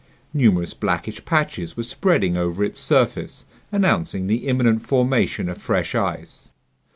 Numerous blackish patches were spreading over its surface, announcing the imminent formation of fresh ice.